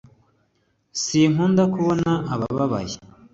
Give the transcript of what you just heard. Sinkunda kukubona ubabaye